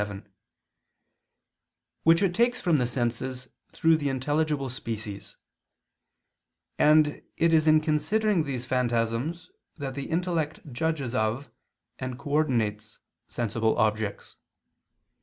7] which it takes from the senses through the intelligible species; and it is in considering these phantasms that the intellect judges of and coordinates sensible objects.